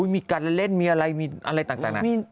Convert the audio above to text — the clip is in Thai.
มีการเล่นมีอะไรมีอะไรต่างนะ